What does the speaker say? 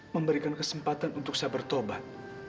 memberikan kesempatan untuk saya bertobat